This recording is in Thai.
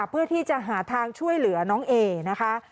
เพื่อที่จะหาทางช่วยเหลือน้องเอนะคะ